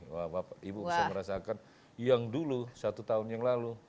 wah ibu bisa merasakan yang dulu satu tahun yang lalu